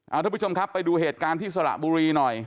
เอาทุกผู้ชมครับไปดูเหตุการณ์ที่สระบุรีหน่อย